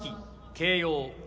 掲揚。